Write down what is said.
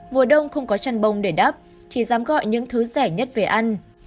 mùa đông không có chăn bông để đắp chị dám gọi những thứ rẻ nhất về ăn